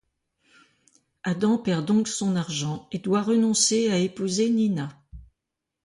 Adam perd donc son argent et doit renoncer à épouser Nina.